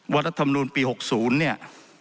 ว่ารัฐธรรมดุลปี๖๐เนี่ย